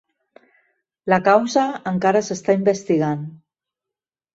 La causa encara s'està investigant.